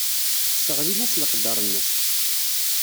Sseɣlin-as s leqder-nnes.